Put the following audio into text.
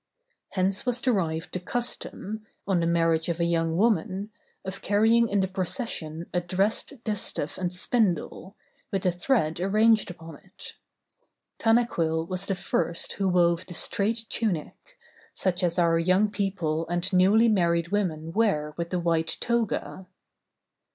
Hence was derived the custom, on the marriage of a young woman, of carrying in the procession a dressed distaff and a spindle, with the thread arranged upon it. Tanaquil was the first who wove the straight tunic, such as our young people and newly married women wear with the white toga.